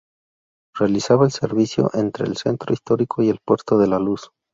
Realizaba el servicio entre el centro histórico y el puerto de La Luz.